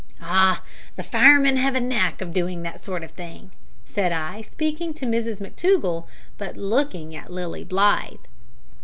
"Ah! the firemen have a knack of doing that sort of thing," said I, speaking to Mrs McTougall, but looking at Lilly Blythe.